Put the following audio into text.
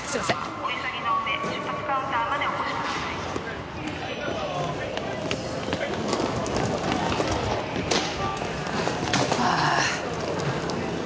「お急ぎの上出発カウンターまでお越しください」はあ。